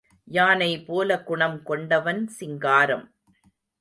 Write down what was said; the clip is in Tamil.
யானை போல குணம் கொண்டவன் சிங்காரம்.